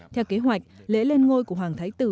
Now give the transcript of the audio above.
theo kế hoạch lễ lên ngôi của hoàng thái tử